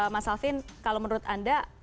mas alvin kalau menurut anda